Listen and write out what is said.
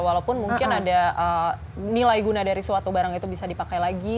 walaupun mungkin ada nilai guna dari suatu barang itu bisa dipakai lagi